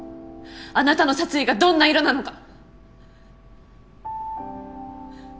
あなたの殺意がどんな色なのか！